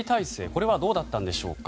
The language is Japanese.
これはどうだったんでしょうか。